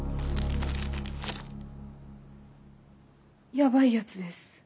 やばいやつです。